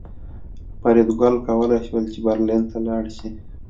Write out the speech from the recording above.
فریدګل کولی شول چې برلین ته لاړ شي